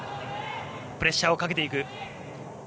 プレッシャーをかけていく。